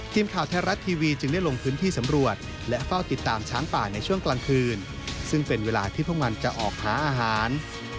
ทีมข่าวไทยรัฐทีวีจึงได้ลงพื้นที่สำรวจและเฝ้าติดตามช้างป่าในช่วงกลางคืนซึ่งเป็นเวลาที่พวกมันจะออกหาอาหาร